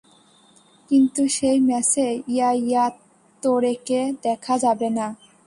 কিন্তু সেই ম্যাচে ইয়া ইয়া তোরেকে দেখা যাবে না।